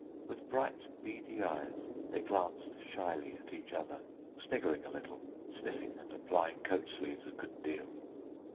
With bright beady eyes they glanced shyly at each other, sniggering a little, sniffing and applying coat sleeves a good deal.